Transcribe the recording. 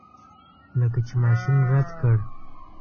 لکه چې ماشین رد کړ.